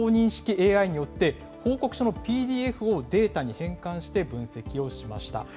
ＡＩによって、報告書のＰＤＦをデータに変換して分析をしました。